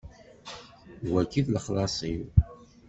D wagi i d lexlaṣ-iw.